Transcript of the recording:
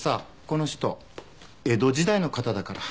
この人江戸時代の方だから。